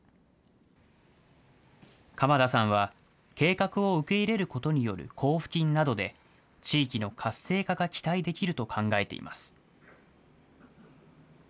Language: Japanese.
鎌田さんは、計画を受け入れることによる交付金などで、地域の活性化が期待できると考えています。